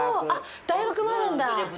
大学もあるんだ。